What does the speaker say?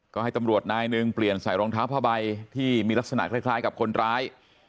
ก็ให้ตำรวจนายหนึ่งเปลี่ยนใส่รองเท้าผ้าใบที่มีลักษณะคล้ายกับคนร้าย